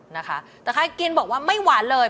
นะคะแต่ใครกินบอกว่าไม่หวานเลย